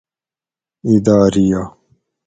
اداریہ